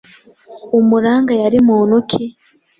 Umuranga yari muntu ki?